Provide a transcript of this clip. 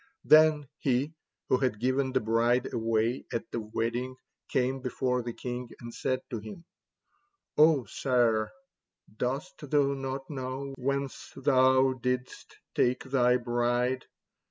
Then he who had given the bride away at the wedding came before the king and said to him: "O sire, dost thou not know whence thou didst take thy bride?